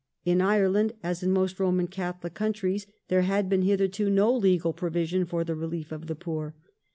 ^*^ In Ireland, as in most Roman Catholic countries, there had been hitherto no legal provision for the relief of the poor.